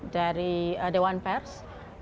dari dewan pers